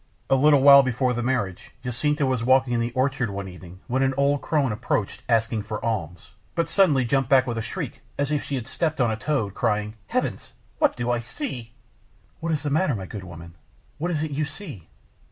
A little while before the marriage Jacinta was walking in the orchard one evening, when an old crone approached, asking for alms, but suddenly jumped back with a shriek as if she had stepped on a toad, crying: "Heavens, what do I see?" "What is the matter, my good woman? What is it you see?